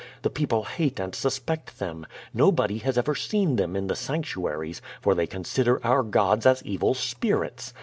The ]>eople hate and susjMJct them. No body has ever seen tliem in the sanctuaries, for they consider our gods as evil spirits.